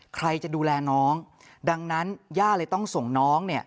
ใครจะดูแลน้องดังนั้นย่าเลยต้องส่งน้องเนี่ย